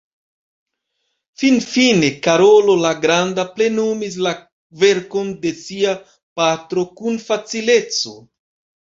Finfine Karolo la Granda plenumis la verkon de sia patro kun facileco.